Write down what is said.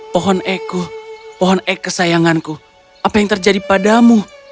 pohon eku pohon ek kesayanganku apa yang terjadi padamu